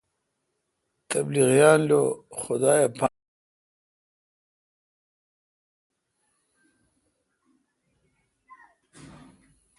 تبلیغیان لو خدا اے پان مے°نیکا۔